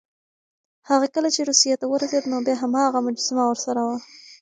هغه کله چې روسيې ته ورسېد، نو بیا هم هماغه مجسمه ورسره وه.